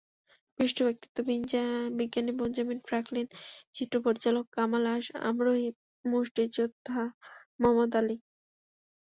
বিশিষ্ট ব্যক্তিত্ব—বিজ্ঞানী Benjamin Franklin, চিত্র পরিচালক কামাল আমরোহী, মুষ্টিযোদ্ধা মোহাম্মদ আলী।